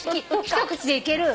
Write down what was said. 一口でいける。